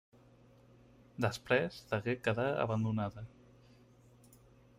Després degué quedar abandonada.